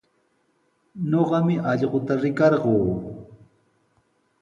Ñuqami allquta rikarquu.